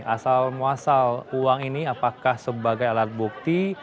asal muasal uang ini apakah sebagai alat bukti